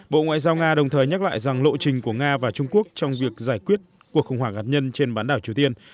bộ ngoại giao nga đồng thời nhắc lại rằng lộ trình của nga và trung quốc trong việc giải quyết cuộc khủng hoảng hạt nhân trên bán đảo triều tiên